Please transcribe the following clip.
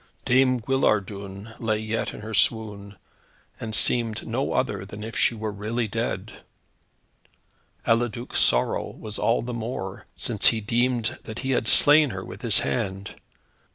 Dame Guillardun lay yet in her swoon, and seemed no other than if she were really dead. Eliduc's sorrow was all the more, since he deemed that he had slain her with his hand.